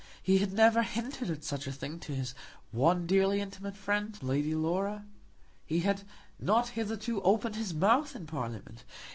He had never hinted at such a thing to his one dearly intimate friend, Lady Laura. He had not hitherto opened his mouth in Parliament.